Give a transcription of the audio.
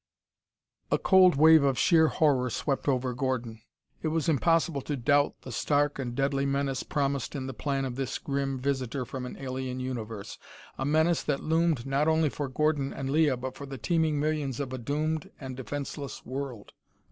A cold wave of sheer horror swept over Gordon. It was impossible to doubt the stark and deadly menace promised in the plan of this grim visitor from an alien universe a menace that loomed not only for Gordon and Leah but for the teeming millions of a doomed and defenseless world.